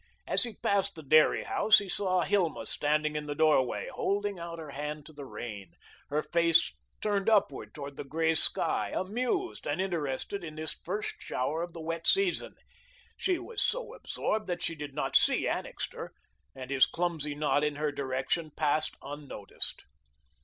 As he passed the dairy house, he saw Hilma standing in the doorway, holding out her hand to the rain, her face turned upward toward the grey sky, amused and interested at this first shower of the wet season. She was so absorbed that she did not see Annixter, and his clumsy nod in her direction passed unnoticed.